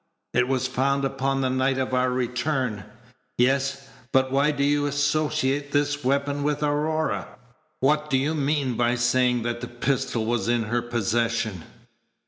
"It was found upon the night of our return." "Yes; but why do you associate this weapon with Aurora? What do you mean by saying that the pistol was in her possession?"